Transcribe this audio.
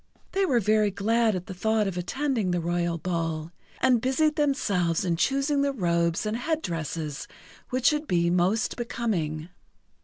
They were very glad at the thought of attending the royal ball, and busied themselves in choosing the robes and head dresses which should be most becoming.